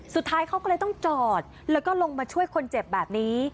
สุดท้ายเขาก็เลยต้องจอดแล้วก็ลงมาช่วยคนเจ็บแบบนี้